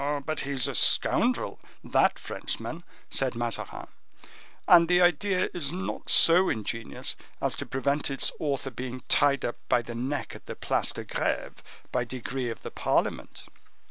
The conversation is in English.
but he is a scoundrel, that Frenchman," said Mazarin; "and the idea is not so ingenious as to prevent its author being tied up by the neck at the Place de Greve, by decree of the parliament."